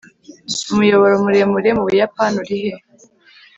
umuyoboro muremure mu buyapani urihe